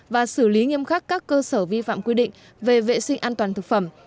và xử lý nghiêm khắc các cơ sở vi phạm quy định về vệ sinh an toàn thực phẩm